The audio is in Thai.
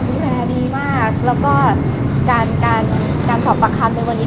ดูแลดีมากแล้วก็การการสอบปากคำในวันนี้